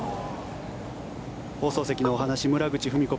放送席のお話村口史子